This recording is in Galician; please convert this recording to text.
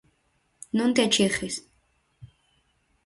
Non te achegues.